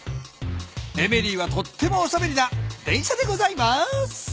エメリーはとってもおしゃべりな電車でございます。